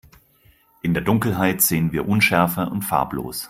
In der Dunkelheit sehen wir unschärfer und farblos.